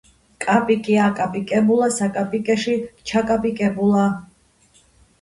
კაპიკი აკაპიკებულა საკაპეში, ჩაკაპიკებულა